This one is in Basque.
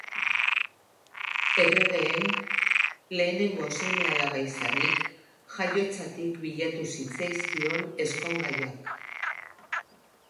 Erregeen lehenengo seme-alaba izanik, jaiotzatik bilatu zitzaizkion ezkongaiak.